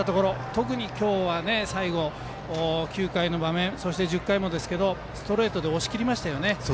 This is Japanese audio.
特に今日は９回の場面そして１０回もですけどストレートで押し切りましたよね。